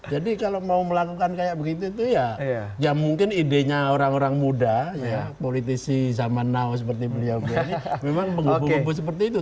jadi kalau mau melakukan kayak begitu itu ya mungkin idenya orang orang muda politisi zaman now seperti beliau ini memang mengubu ubu seperti itu